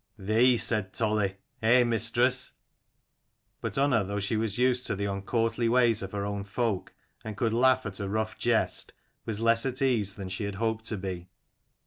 " Thee," said Toli. " Eh, Mistress ?" But Unna, though she was used to the uncourtly ways of her own folk and could laugh at a rough jest, was less at ease than she had hoped to be.